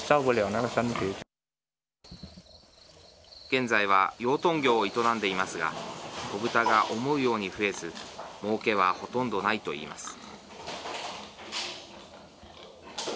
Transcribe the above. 現在は養豚業を営んでいますが子豚が思うように増えずもうけはほとんどないといいます。